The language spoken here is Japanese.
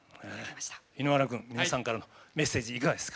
井ノ原君皆さんからのメッセージいかがですか。